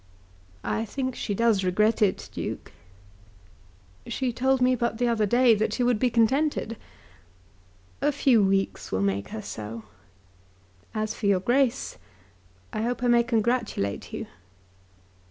"I think she does regret it, Duke." "She told me but the other day that she would be contented." "A few weeks will make her so. As for your Grace, I hope I may congratulate you."